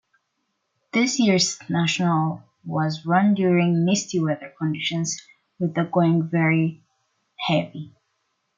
This year's National was run during misty weather conditions with the going very heavy.